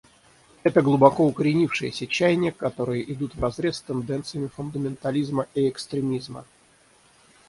Это глубоко укоренившиеся чаяния, которые идут вразрез с тенденциями фундаментализма и экстремизма.